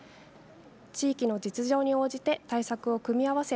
地域の実情に応じて対策を組み合わせ